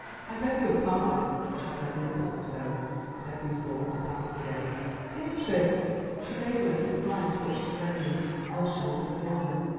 "I beg your pardon," she said in a puzzled tone, stepping forward to pass the gate. "Beatrice!" She gave a little cry, and clutched the railing, else she would have fallen.